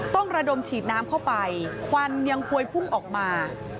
ต้องระดมฉีดน้ำเข้าไปควันยังพวยพุ่งออกมา